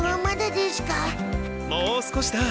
もう少しだ。